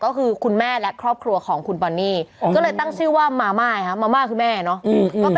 ก็คือคุณแม่และครอบครัวของคุณปอนนี่ก็เลยตั้งชื่อว่ามาม่ามาม่าคือแม่เนาะ